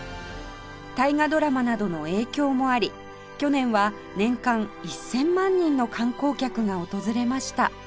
大河ドラマなどの影響もあり去年は年間１０００万人の観光客が訪れました